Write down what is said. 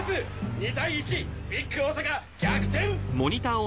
２対１ビッグ大阪逆転！！